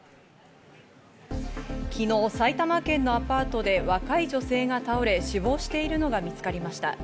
昨日、埼玉県のアパートで若い女性が倒れ死亡しているのが見つかりました。